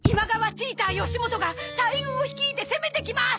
チーター義元が大軍を率いて攻めてきます！